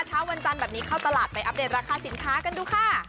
เช้าวันจันทร์แบบนี้เข้าตลาดไปอัปเดตราคาสินค้ากันดูค่ะ